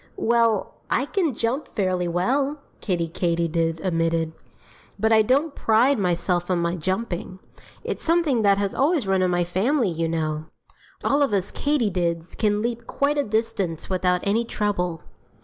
"Well, I can jump fairly well," Kiddie Katydid admitted. "But I don't pride myself on my jumping. It's something that has always run in my family, you know. All of us Katydids can leap quite a distance without any trouble."